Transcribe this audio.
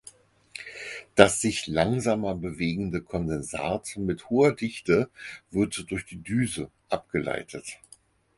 Das sich langsamer bewegende Kondensat mit hoher Dichte wird durch die Düse abgeleitet.